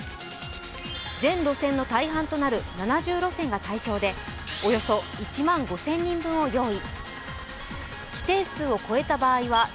全路線の大半となる７０路線が対象でおよそ１万５０００人分を用意。